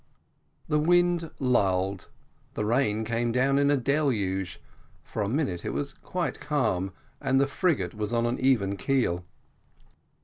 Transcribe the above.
The wind lulled, the rain came down in a deluge for a minute it was quite calm, and the frigate was on an even keel.